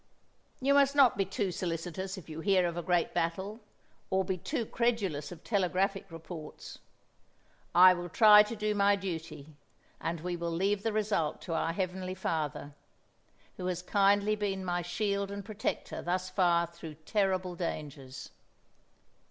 "You must not be too solicitous if you hear of a great battle, or be too credulous of telegraphic reports. I will try to do my duty, and we will leave the result to our Heavenly Father, who has kindly been my shield and protector thus far through terrible dangers."